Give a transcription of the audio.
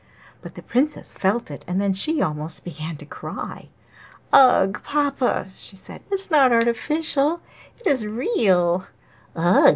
But the Princess felt it, and then she almost began to cry. 'Ugh! Papa,' she said, 'it is not artificial, it is REAL!' 'Ugh!